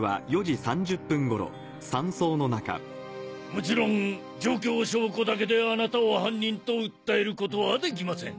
「もちろん状況証拠だけであなたを犯人と訴えることはできません」